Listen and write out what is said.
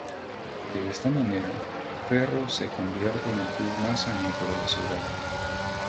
De esta manera, Ferro se convierte en el club más añejo de la ciudad.